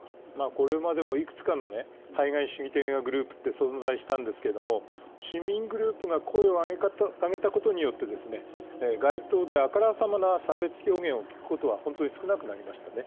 これまでもいくつかの排外主義的なグループが存在したんですけれども市民グループが声を上げたことによって街頭であからさまな差別表現を聞くことは本当に少なくなりましたね。